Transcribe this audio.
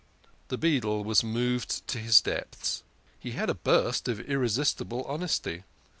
The beadle was moved to his depths. He had a burst of irresistible honesty.